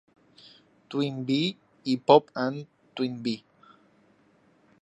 TwinBee" y "Pop'n TwinBee".